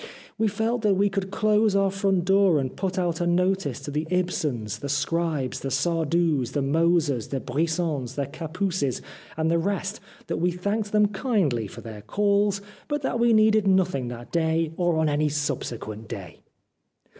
We felt that we could close our front door and put out a notice to the Ibsens, the Scribes, the Sardous, the Mosers, the Brissons, the Capuses, and the rest that we thanked them kindly for their calls, but that we needed nothing that day or on any subsequent day.